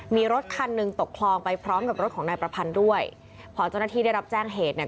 มีรถคันหนึ่งตกคลองไปพร้อมกับรถของนายประพันธ์ด้วยพอเจ้าหน้าที่ได้รับแจ้งเหตุเนี่ย